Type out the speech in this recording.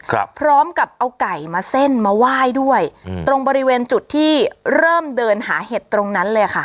พร้อมกับเอาไก่มาเส้นมาไหว้ด้วยอืมตรงบริเวณจุดที่เริ่มเดินหาเห็ดตรงนั้นเลยค่ะ